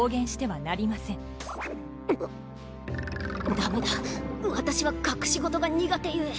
ダメだ私は隠し事が苦手ゆえ。